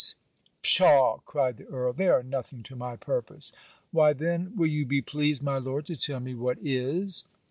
'Psha,' cried the Earl, 'they are nothing to my purpose.' 'Why then, will you be pleased, my Lord, to tell me what is?'